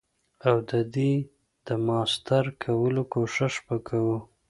او ددی د ماستر کولو کوښښ به کوو.